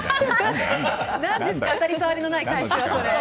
何ですか当たり障りのない返しは。